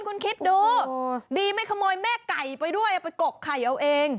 คุณคิดดูดีไม่ขโมยแม่ไก่ไปด้วยเอาไปกกไข่เอาเอง